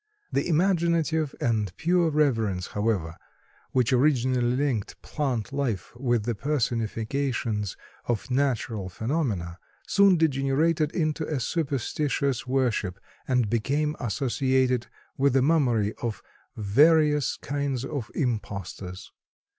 The imaginative and pure reverence, however, which originally linked plant life with the personifications of natural phenomena, soon degenerated into a superstitious worship and became associated with the mummery of various kinds of impostors.